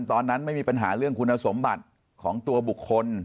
ตอนนั้นไม่มีปัญหาเรื่องคุณสมบัติของตัวบุคคล